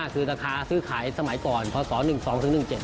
คือราคาซื้อขายสมัยก่อนพศ๑๒ถึง๑๗